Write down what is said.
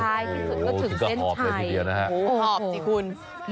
ใช่สุดถึงรุ่นเส้นชัย